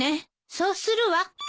そうするわ。